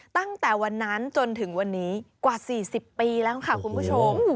ตั้งแต่วันนั้นจนถึงวันนี้กว่า๔๐ปีแล้วค่ะคุณผู้ชม